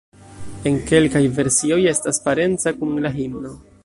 En kelkaj versioj estas parenca kun la himno.